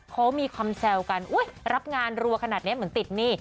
เขามีความแซวกันอุ๊ยรับงานรัวขนาดนี้เหมือนติดหนี้